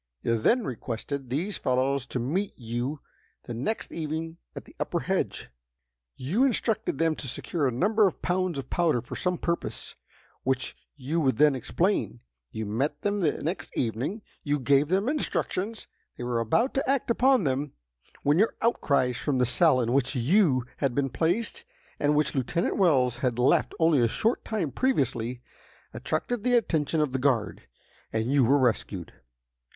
You then requested these fellows to meet you the next evening at the upper hedge. You instructed them to secure a number of pounds of powder for some purpose, which you would then explain. You met them the next evening. You gave them instructions. They were about to act upon them, when your outcries from the cell in which you had been placed, and which Lieutenant Wells had left only a short time previously, attracted the attention of the guard, and you were rescued.